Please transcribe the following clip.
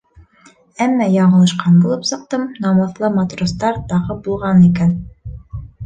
Әммә яңылышҡан булып сыҡтым, намыҫлы матростар тағы булған икән.